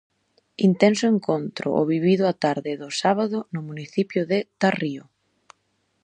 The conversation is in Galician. Intenso encontro o vivido a tarde do sábado no municipal de Tarrío.